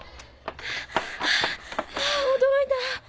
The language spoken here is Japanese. あ驚いた！